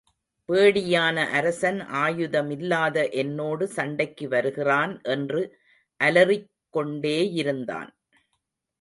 பேடியான அரசன் ஆயுதமில்லாத என்னோடு சண்டைக்கு வருகிறான் என்று அலறிக் கொண்டேயிருந்தான்.